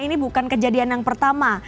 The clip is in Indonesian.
ini bukan kejadian yang pertama